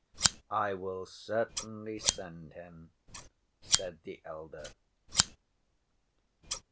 "I will certainly send him," said the elder.